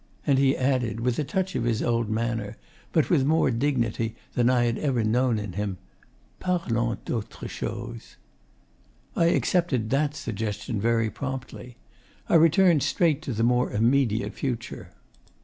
And he added, with a touch of his old manner, but with more dignity than I had ever known in him, 'Parlons d'autre chose.' I accepted that suggestion very promptly. I returned straight to the more immediate future.